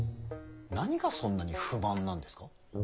何がそんなに不満なんですか？